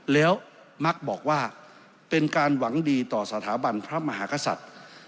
แล้วมักบอกว่าเป็นการหวังดีต่อสถาบันพระมหากษัตริย์